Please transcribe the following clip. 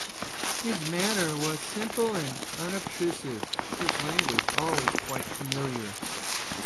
His manner was simple and unobtrusive, his language always quite familiar.